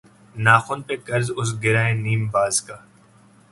ناخن پہ قرض اس گرہِ نیم باز کا